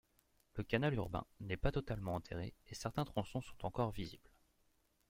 Le canal urbain n’est pas totalement enterré et certain tronçons sont encore visibles.